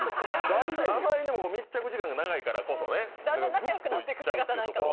あまりにも密着時間長いから、ぐっといっちゃうというところは。